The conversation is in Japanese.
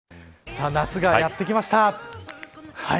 さあ、夏がやってきました。